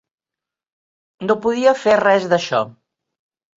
No podia fer res d'això.